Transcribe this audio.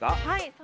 はい。